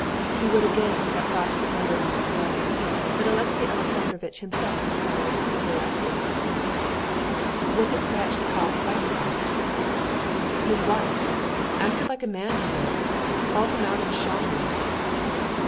He would again have got his brother in law away, but Alexey Alexandrovitch himself inquired, with curiosity: "What did Pryatchnikov fight about?" "His wife. Acted like a man, he did! Called him out and shot him!"